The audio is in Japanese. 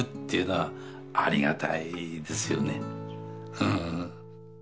うん。